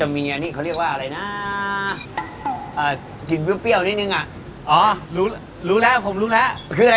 มะม่วงหิวงพา